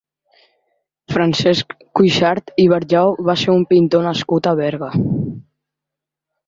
Francesc Cuixart i Barjau va ser un pintor nascut a Berga.